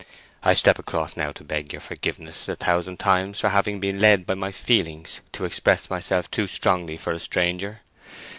I step across now to beg your forgiveness a thousand times for having been led by my feelings to express myself too strongly for a stranger.